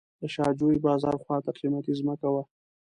د شاه جوی بازار خواته قیمتي ځمکه وه.